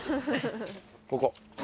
ここ。